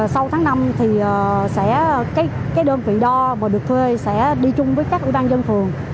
sau tháng năm đơn vị đo được thuê sẽ đi chung với các ủy ban dân phường